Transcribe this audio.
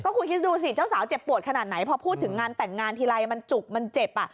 คุณคิดดูสิเจ้าสาวเจ็บปวดขนาดไหนพอพูดถึงงานแต่งงานทีไรมันจุกมันเจ็บ